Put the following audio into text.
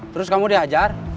terus kamu dihajar